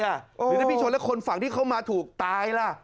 เดี๋ยวถ้าพี่ชนแล้วคนฝั่งที่เขามาถูกตายล่ะ